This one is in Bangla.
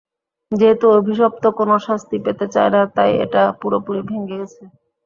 যেহেতু অভিশপ্ত কোনো শাস্তি পেতে চায় না, তাই এটা পুরোপুরি ভেঙে গেছে।